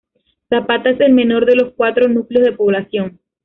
Zapata es el menor de los cuatro núcleos de población.